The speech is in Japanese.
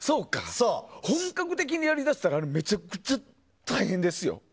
本格的にやりだしたらめちゃくちゃ大変ですよ。